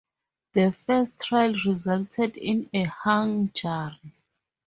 The first trial resulted in a hung jury.